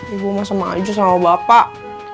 ibu masih maju sama bapak